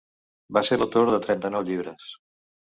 Va ser l'autor de trenta-nou llibres.